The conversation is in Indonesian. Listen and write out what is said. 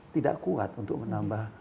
tidak kuat untuk menambah